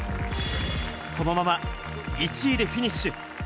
そのまま、１位でフィニッシュ。